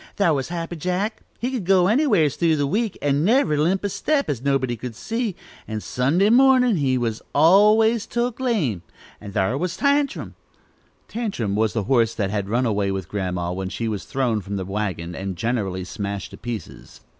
Thar' was 'Happy Jack,' he could go anywhers through the week, and never limp a step, as nobody could see, and Sunday mornin' he was always took lame! And thar' was 'Tantrum' " "Tantrum" was the horse that had run away with Grandma when she was thrown from the wagon, and generally smashed to pieces.